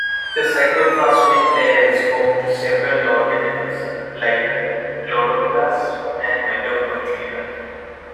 The cytoplasmic layer is home to several organelles, like the chloroplasts and mitochondria.